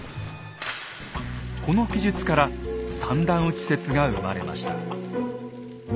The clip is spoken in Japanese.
この記述から「三段撃ち」説が生まれました。